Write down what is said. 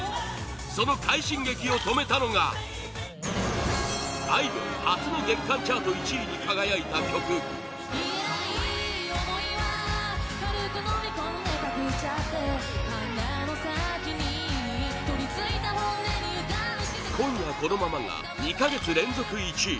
その快進撃を止めたのがあいみょん初の月間チャート１位に輝いた曲「今夜このまま」が２か月連続１位